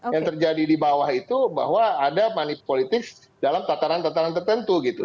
yang terjadi di bawah itu bahwa ada manif politis dalam tataran tataran tertentu gitu